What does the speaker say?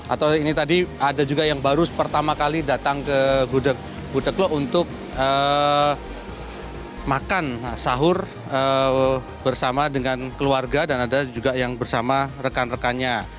atau ini tadi ada juga yang baru pertama kali datang ke gudeglo untuk makan sahur bersama dengan keluarga dan ada juga yang bersama rekan rekannya